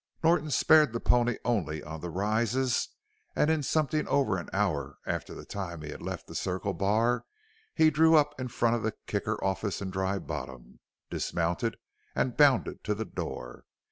Norton spared the pony only on the rises and in something over an hour after the time he had left the Circle Bar he drew up in front of the Kicker office in Dry Bottom, dismounted, and bounded to the door.